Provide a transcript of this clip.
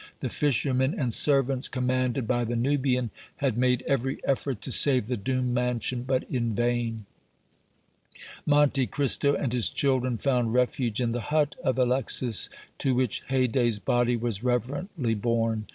The fishermen and servants, commanded by the Nubian, had made every effort to save the doomed mansion, but in vain. Monte Cristo and his children found refuge in the hut of Alexis, to which Haydée's body was reverently borne.